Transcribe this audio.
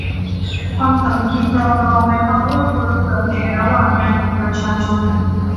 ความสามัคคีปรองดองและความเอื้อเฟื้อเผื่อแผ่ระหว่างกันของประชาชน